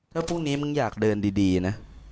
ถ้าพรุ่งนี้มึงอยากเดินดีนะ